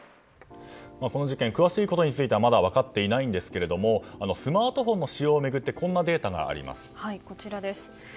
この事件詳しいことについてはまだ分かっていないんですけれどもスマートフォンの使用を巡ってこんなデータがあります。